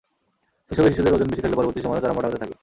শৈশবে শিশুদের ওজন বেশি থাকলে পরবর্তী সময়েও তারা মোটা হতে থাকে।